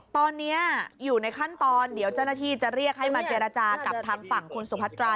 ตอนนี้อยู่ในขั้นตอนเดี๋ยวเจ้าหน้าที่จะเรียกให้มาเจรจากับทางฝั่งคุณสุพัตรา